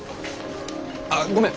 ああごめん